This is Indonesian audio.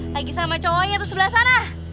lagi sama cowoknya tuh sebelah sana